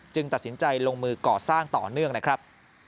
ตัดสินใจลงมือก่อสร้างต่อเนื่องนะครับ